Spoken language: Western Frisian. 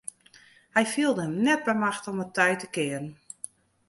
Hy fielde him net by machte om it tij te kearen.